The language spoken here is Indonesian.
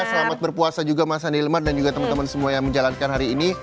selamat berpuasa juga mas andilmar dan juga teman teman semua yang menjalankan hari ini